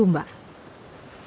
eliazar balik sumba